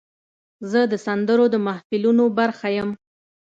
زه د سندرو د محفلونو برخه یم.